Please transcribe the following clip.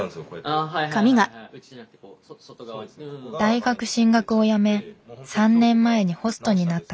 大学進学をやめ３年前にホストになった彼。